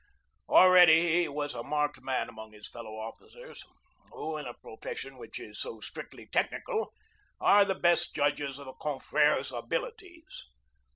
Already he was a marked man among his fellow officers, who, in a profession which is so strictly technical, are the best judges of a confrere's abilities.